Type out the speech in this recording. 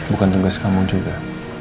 bukan tugas kamu juga